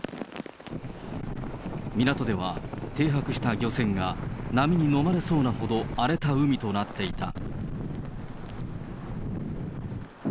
港では停泊した漁船が波に飲まれそうなほど荒れた海となっていた。